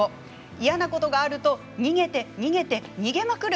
嫌なことがあると逃げて、逃げて、逃げまくる！